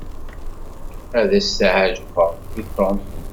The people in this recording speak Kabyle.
Ad as-ɛejbeɣ i Tom.